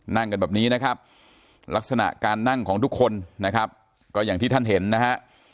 นั่งกันแบบนี้นะครับลักษณะการนั่งของทุกคนนะครับก็อย่างที่ท่านเห็นนะฮะ